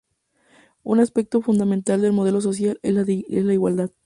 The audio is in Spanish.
Un aspecto fundamental del modelo social es de la igualdad.